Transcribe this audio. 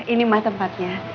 ini mah tempatnya